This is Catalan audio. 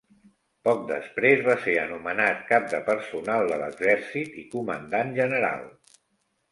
Poc després va ser anomenat cap de personal de l'Exercit i Comandant General.